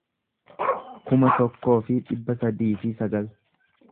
kuma tokkoo fi dhibba sadii fi sagal